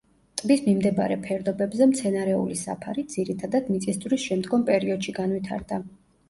ტბის მიმდებარე ფერდობებზე მცენარეული საფარი, ძირითადად, მიწისძვრის შემდგომ პერიოდში განვითარდა.